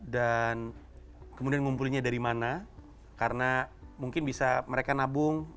dan kemudian ngumpulinya dari mana karena mungkin bisa mereka nabung